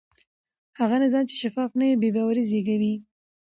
هغه نظام چې شفاف نه وي بې باوري زېږوي